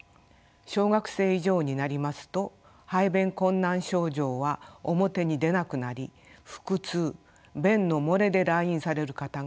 小学生以上になりますと排便困難症状は表に出なくなり腹痛便の漏れで来院される方が増えます。